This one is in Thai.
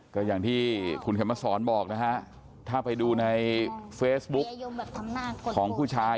ก็อย่างที่คุณเข็มมาสอนบอกนะฮะถ้าไปดูในเฟซบุ๊กของผู้ชาย